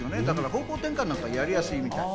方向転換なんかがやりやすいみたい。